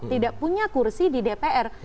tidak punya kursi di dpr